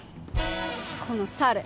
この猿！